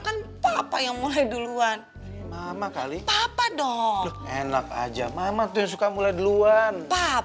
kan papa yang mulai duluan mama kali papa dong enak aja mama tuh yang suka mulai duluan